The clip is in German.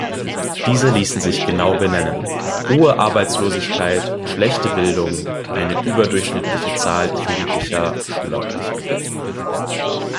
Diese ließen sich genau benennen: hohe Arbeitslosigkeit, schlechte Bildung, eine überdurchschnittliche Zahl jugendlicher Schulabbrecher.